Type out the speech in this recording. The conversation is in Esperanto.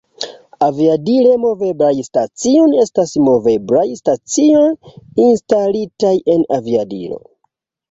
Aviadile-moveblaj stacioj estas moveblaj stacioj instalitaj en aviadilo.